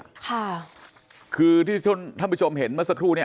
ค่ะคือที่ท่านท่านผู้ชมเห็นเมื่อสักครู่เนี้ย